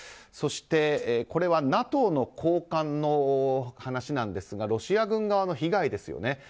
そして、これはＮＡＴＯの高官の話ですがロシア軍側の被害ですよね。